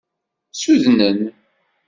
Ssudnen.